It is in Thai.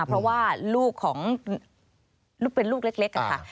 เพราะว่าลูกของลูกเป็นลูกเล็กค่ะ